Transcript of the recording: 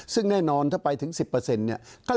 ซึ่งแน่นอนถ้าไปถึง๑๐เนี่ย